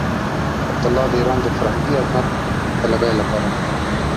عبدالله د ايران د فرهنګي عظمت طلبۍ لپاره.